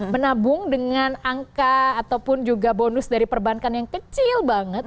menabung dengan angka ataupun juga bonus dari perbankan yang kecil banget